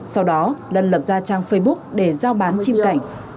sau đó lân lập ra trang facebook để giao bán chim cảnh